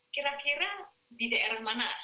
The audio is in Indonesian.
kira kira di daerah mana